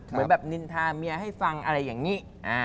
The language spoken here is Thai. เหมือนแบบนินทาเมียให้ฟังอะไรอย่างนี้